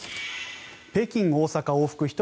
北京大阪往復１人